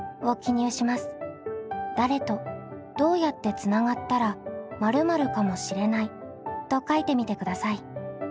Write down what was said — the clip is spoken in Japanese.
「誰とどうやってつながったら〇〇かもしれない」と書いてみてください。